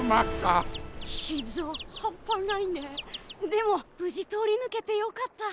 でも無事通り抜けてよかった。